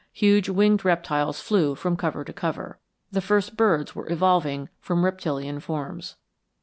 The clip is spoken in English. Huge winged reptiles flew from cover to cover. The first birds were evolving from reptilian forms.